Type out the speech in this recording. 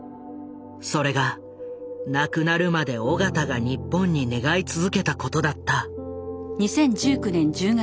それが亡くなるまで緒方が日本に願い続けたことだった。